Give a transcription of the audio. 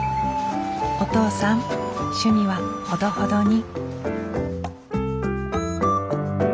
お父さん趣味はほどほどに。